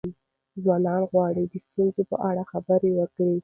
ځوانان غواړي د ستونزو په اړه خبرې وکړي.